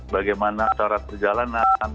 bagaimana syarat perjalanan